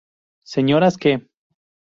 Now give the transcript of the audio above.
Señoras que...